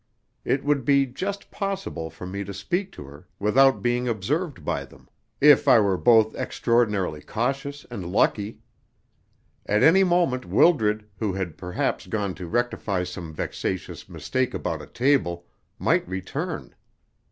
It would be just possible for me to speak to her, without being observed by them, if I were both extraordinarily cautious and lucky. At any moment Wildred, who had perhaps gone to rectify some vexatious mistake about a table, might return.